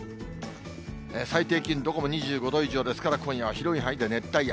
最低気温、どこも２５度以上ですから、今夜は広い範囲で熱帯夜。